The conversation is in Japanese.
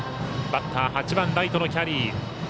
バッター、８番ライトのキャリー。